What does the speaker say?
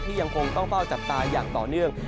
ยังคงต้องเฝ้าจับตาอย่างต่อเนื่อง